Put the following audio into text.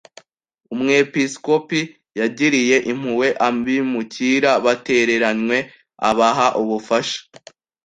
Umwepiskopi yagiriye impuhwe abimukira batereranywe, abaha ubufasha.